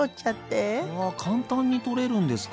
うわ簡単に取れるんですか？